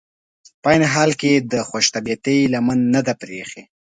په عین حال کې یې د خوش طبعیتي لمن نه ده پرېښي.